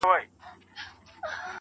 بدل کړيدی.